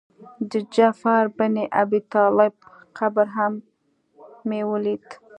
د جعفر بن ابي طالب قبر هم مې ولید.